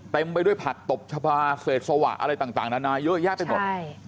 เต็มไปด้วยผักตบชาวาเสร็จสวะอะไรต่างนานายื่อยแยะเป็นหมด